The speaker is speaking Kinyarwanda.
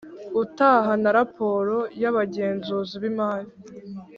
utaha na raporo y Abagenzuzi b imari